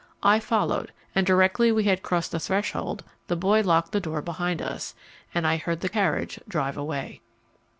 I followed, and directly we had crossed the threshold, the boy locked the door behind us, and I heard the carriage drive away.